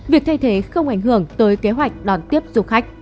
việc thay thế không ảnh hưởng tới kế hoạch đoàn công